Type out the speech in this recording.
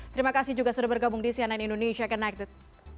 terima kasih juga sudah bergabung di cnn indonesia connected